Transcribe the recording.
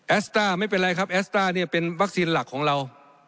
สต้าไม่เป็นไรครับแอสต้าเนี่ยเป็นวัคซีนหลักของเรา